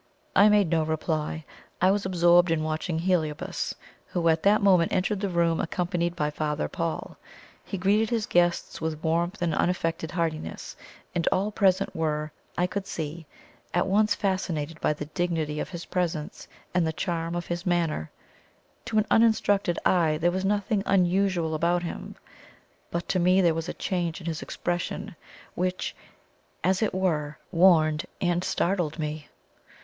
I made no reply; I was absorbed in watching Heliobas, who at that moment entered the room accompanied by Father Paul. He greeted his guests with warmth and unaffected heartiness, and all present were, I could see, at once fascinated by the dignity of his presence and the charm of his manner. To an uninstructed eye there was nothing unusual about him; but to me there was a change in his expression which, as it were, warned and startled me.